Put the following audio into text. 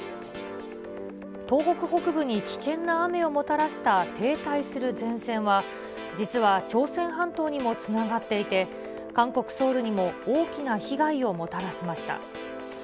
東北北部に危険な雨をもたらした停滞する前線は、実は朝鮮半島にもつながっていて、韓国・ソウルにも大きな被害をもたらしました。